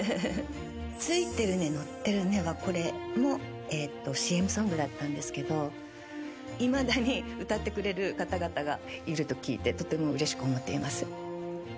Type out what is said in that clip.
「ツイてるねノッてるね」はこれもＣＭソングだったんですがいまだに歌ってくれる方々がいると聞いてとてもうれしく思っています。